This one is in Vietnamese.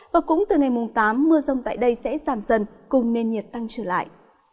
và cũng từ ngày tám mưa rông tại đây sẽ giảm dần cùng nền nhiệt tăng trở lại